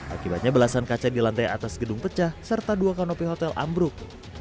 akibatnya belasan kaca di lantai atas gedung pecah serta dua kanopi hotel ambruk